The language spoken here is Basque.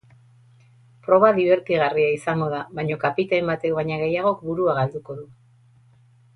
Proba dibertigarria izango da, baina kapitain batek baino gehiagok burua galduko du.